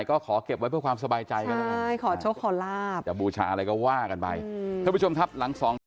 ก็ขอเก็บไว้เพื่อความสบายใจกันเลยครับจะบูชาอะไรก็ว่ากันไปคุณผู้ชมครับหลัง๒นาที